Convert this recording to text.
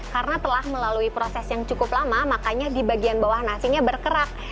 karena telah melalui proses yang cukup lama makanya di bagian bawah nasinya berkerak